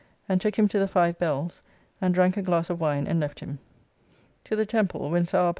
] and took him to the Five Bells,' and drank a glass of wine and left him. To the Temple, when Sir R.